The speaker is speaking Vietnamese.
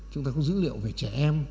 chúng ta có dữ liệu về trẻ em